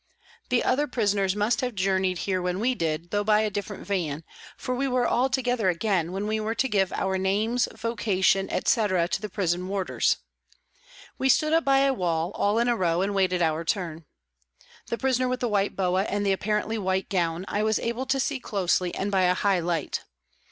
The other prisoners must have journeyed here when we did, though by a different van, for we were all together again when we were to give our names, vocation, etc., to the prison warders. We stood up by a wall, all in a row, and waited our turn. The prisoner with the white boa and the apparently white gown, I was able to see closely and by a high light.